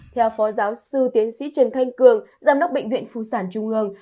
theo phó giáo sư tiến sĩ trần thanh cường giám đốc bệnh viện phụ sản trung ương